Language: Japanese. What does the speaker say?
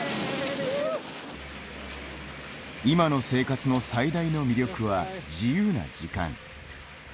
今の生活の最大の魅力は自由な時間。